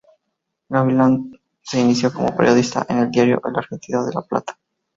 Gavilán se inició como periodista en el diario El Argentino de La Plata.